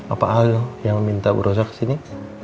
apa al yang minta bu rosa kesini